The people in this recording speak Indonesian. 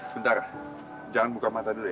bentar jangan buka mata dulu